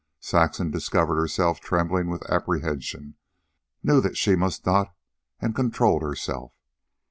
Saxon discovered herself trembling with apprehension, knew that she must not, and controlled herself.